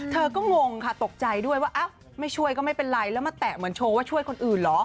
เธอก็งงค่ะตกใจด้วยว่าอ้าวไม่ช่วยก็ไม่เป็นไรแล้วมาแตะเหมือนโชว์ว่าช่วยคนอื่นเหรอ